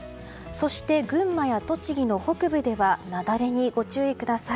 そして、群馬や栃木の北部では雪崩にご注意ください。